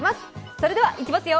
それではいきますよ。